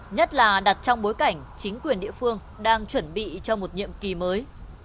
nhất là đặt trong bối cảnh chính quyền địa phương đang chuẩn bị cho một nhiệm kỳ mới